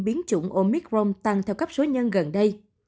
biến chủng omicron tăng theo cấp số nhân gần đây